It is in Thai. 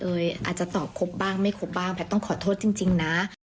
อาจจะตอบครบบ้างไม่ครบบ้างแพทย์ต้องขอโทษจริงนะ